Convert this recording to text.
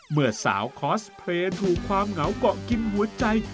เมื่อสาวคอสเพลย์ถูกความเหงาเกาะกินหัวใจ